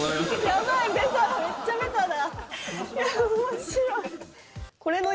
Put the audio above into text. ヤバいめっちゃベタだ。